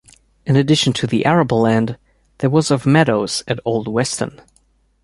In addition to the arable land, there was of meadows at Old Weston.